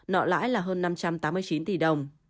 nợ lãi là hơn năm trăm tám mươi chín tỷ đồng